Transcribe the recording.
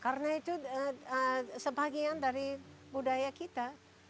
karena itu sebagian dari budaya kita